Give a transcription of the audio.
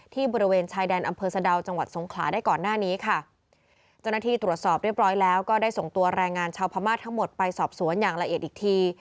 บริเวณชายแดนอำเภอสะดาวจังหวัดสงขลาได้ก่อนหน้านี้ค่ะเจ้าหน้าที่ตรวจสอบเรียบร้อยแล้วก็ได้ส่งตัวแรงงานชาวพม่าทั้งหมดไปสอบสวนอย่างละเอียดอีกที